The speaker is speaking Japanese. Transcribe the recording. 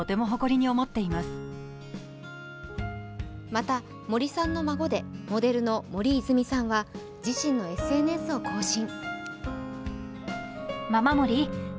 また森さんの孫でモデルの森泉さんは自身のＳＮＳを更新。